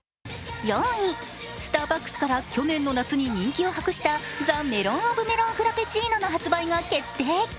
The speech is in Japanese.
スターバックスから去年の夏に人気を博したＴｈｅメロンｏｆメロンフラペチーノの発売が決定。